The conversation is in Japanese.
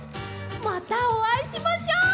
またおあいしましょう！